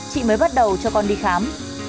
chị mới bắt đầu cho con đi khám